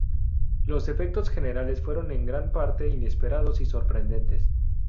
Los efectos generales fueron en gran parte inesperados y sorprendentes.